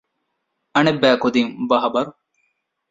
އަނެއްބައިކުދިން ބަޚަބަރު